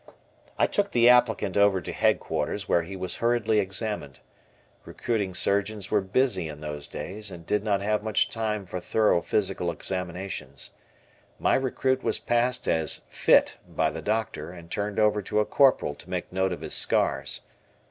I took the applicant over to headquarters where he was hurriedly examined. Recruiting surgeons were busy in those days and did not have much time for thorough physical examinations. My recruit was passed as "fit" by the doctor and turned over to a Corporal to make note of his scars.